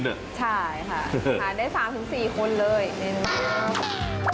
ใช่ค่ะทานได้๓๔คนเลยในรูป